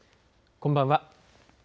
こんばんは。